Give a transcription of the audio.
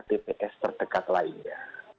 tps terdekat lainnya